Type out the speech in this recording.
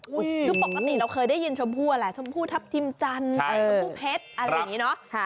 คือปกติเราเคยได้ยินชมพู่แหละชมพู่ทัพทิมจันทร์ชมพู่เพชรอะไรอย่างนี้เนาะ